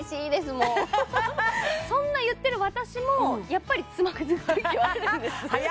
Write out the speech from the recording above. もうそんな言ってる私もやっぱりつまずく時はあるんです